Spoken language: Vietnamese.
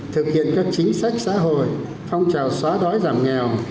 thực hiện các chính sách xã hội phong trào xóa đói giảm nghèo